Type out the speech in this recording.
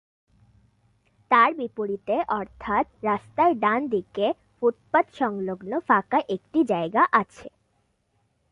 তার বিপরীতে অর্থাৎ রাস্তার ডান দিকে ফুটপাতসংলগ্ন ফাঁকা একটি জায়গা আছে।